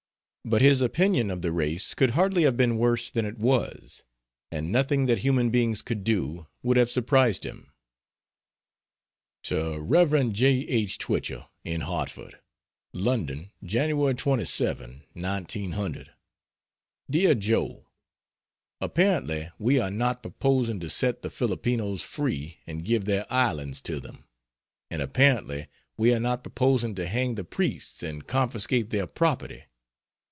But his opinion of the race could hardly have been worse than it was. And nothing that human beings could do would have surprised him. To Rev. J. H. Twichell, in Hartford: LONDON, Jan. 27, 1900. DEAR JOE, Apparently we are not proposing to set the Filipinos free and give their islands to them; and apparently we are not proposing to hang the priests and confiscate their property.